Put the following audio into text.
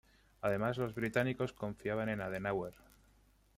Además, los británicos confiaban en Adenauer.